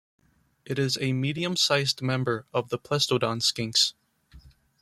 It is a medium-sized member of the "Plestiodon" skinks.